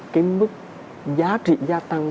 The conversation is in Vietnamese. cái mức giá trị gia tăng